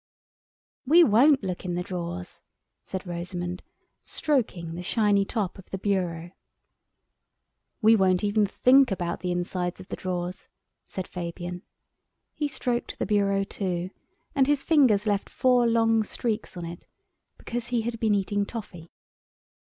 "We won't look in the drawers," said Rosamund, stroking the shiny top of the bureau. "We won't even think about the insides of the drawers," said Fabian. He stroked the bureau too and his fingers left four long streaks on it, because he had been eating toffee.